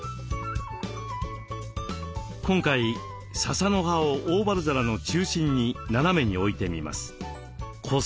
今回ささの葉をオーバル皿の中心に斜めに置いてみます。